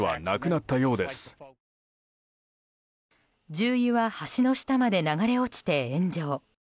重油は橋の下まで流れ落ちて炎上。